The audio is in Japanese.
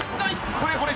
これこれ！